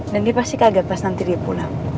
dan dia pasti kaget pas nanti dia pulang